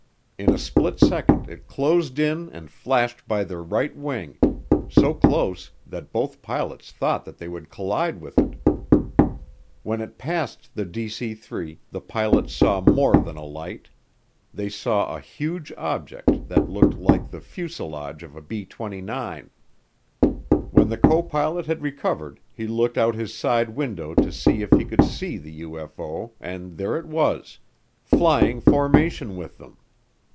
In a split second it closed in and flashed by their right wing so close that both pilots thought that they would collide with it. When it passed the DC 3, the pilots saw more than a light they saw a huge object that looked like the "fuselage of a B 29." When the copilot had recovered he looked out his side window to see if he could see the UFO and there it was, flying formation with them.